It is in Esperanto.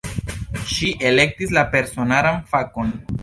Ŝi elektis la personaran fakon.